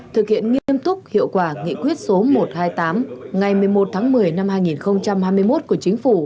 thực hiện nghiêm túc hiệu quả nghị quyết số một trăm hai mươi tám ngày một mươi một tháng một mươi năm hai nghìn hai mươi một của chính phủ